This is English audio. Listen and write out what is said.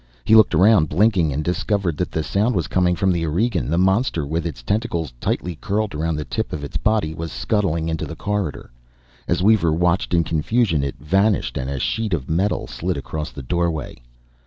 He looked around, blinking, and discovered that the sound was coming from the Aurigean. The monster, with its tentacles tightly curled around the tip of its body, was scuttling into the corridor. As Weaver watched in confusion, it vanished, and a sheet of metal slid across the doorway.